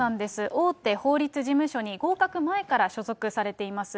大手法律事務所に合格前から所属されています。